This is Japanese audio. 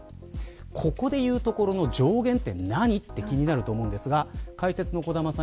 ここで言うところの上限って何って気になると思うんですが解説の小玉さん